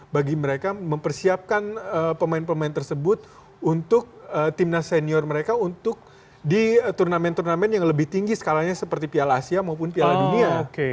dan mempersiapkan pemain pemain tersebut untuk timnas senior mereka untuk di turnamen turnamen yang lebih tinggi skalanya seperti piala asia maupun piala dunia